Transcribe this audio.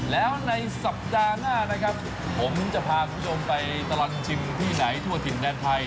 แล้วในสัปดาห์หน้านะครับผมจะพาคุณผู้ชมไปตลอดชิมที่ไหนทั่วถิ่นแดนไทย